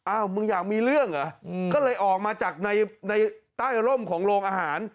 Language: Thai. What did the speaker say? มึงอยากมีเรื่องเหรอก็เลยออกมาจากในใต้ร่มของโรงอาหาร